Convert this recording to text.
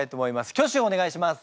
挙手をお願いします！